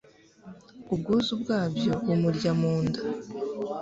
Ubwuzu bwabyo bumurya mu nda